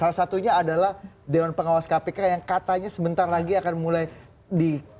salah satunya adalah dewan pengawas kpk yang katanya sebentar lagi akan mulai di